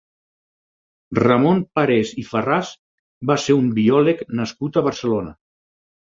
Ramon Parés i Farràs va ser un biòleg nascut a Barcelona.